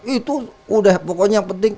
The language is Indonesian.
itu udah pokoknya yang penting